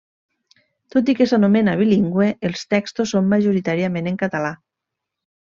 Tot i que s'anomena bilingüe, els textos són majoritàriament en català.